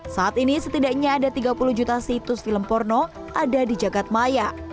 saat ini setidaknya ada tiga puluh juta situs film porno ada di jagadmaya